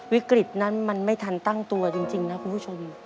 วิกฤตนั้นมันไม่ทันตั้งตัวจริงนะคุณผู้ชม